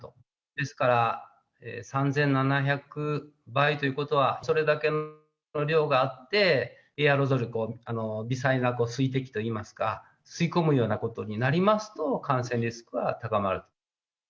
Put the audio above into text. ですから、３７００倍ということは、それだけの量があって、エアロゾルと、微細な水滴といいますか、吸い込むようなことになりますと、感染リスクは高まると。